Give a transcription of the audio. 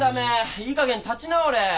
いいかげん立ち直れ！